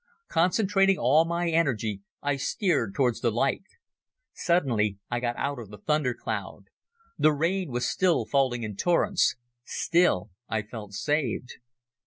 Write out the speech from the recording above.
Concentrating all my energy I steered towards the light. Suddenly I got out of the thunder cloud. The rain was still falling in torrents. Still, I felt saved.